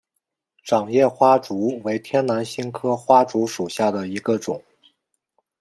掌叶花烛为天南星科花烛属下的一个种。